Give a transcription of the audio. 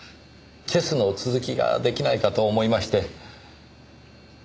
チェスの続きが出来ないかと思いまして。